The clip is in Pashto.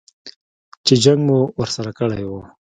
چې جنګ مو ورسره کړی و.